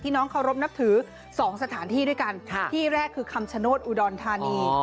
ที่น้องเคารพนับถือสองสถานที่ด้วยกันที่แรกคือคัมชโนตอุดอนธรรมดิ